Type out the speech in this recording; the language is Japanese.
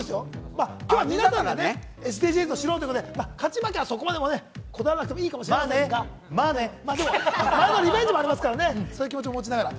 今日はＳＤＧｓを知ろうということで、勝ち負けはそこまでこだわらなくていいかもしれませんが、前のリベンジもありますからね、そういう気持ちも持ちながら。